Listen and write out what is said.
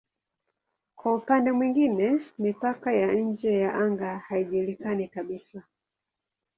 Kwa upande mwingine mipaka ya nje ya anga haijulikani kabisa.